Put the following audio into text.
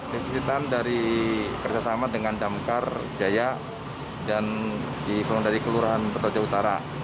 desinfektan dari kerjasama dengan damkar jaya dan dikelurahan petojo utara